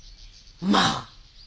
まあ！